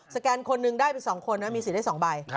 แกนคนหนึ่งได้ไป๒คนนะมีสิทธิ์ได้๒ใบ